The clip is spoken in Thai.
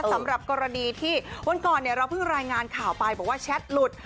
สำหรับกรณีที่วันก่อนเราเพิ่งรายงานข่าวไปบอกว่าแชทหลุด